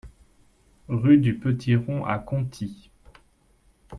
Rue du Petit Rond à Conty